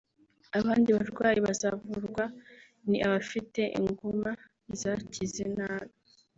Abandi barwayi bazavurwa ni abafite inguma zakize nabi